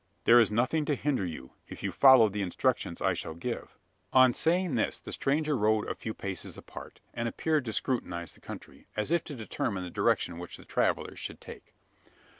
"There is nothing to hinder you: if you follow the instructions I shall give." On saying this, the stranger rode a few paces apart; and appeared to scrutinise the country as if to determine the direction which the travellers should take.